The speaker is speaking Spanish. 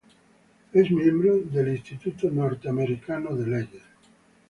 Es miembro del American Law Institute.